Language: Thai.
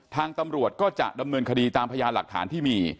ทางตำรวจก็จะดำเนินคดีตามพยานหลักฐานที่มี